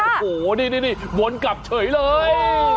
โอ้โหนี่วนกลับเฉยเลย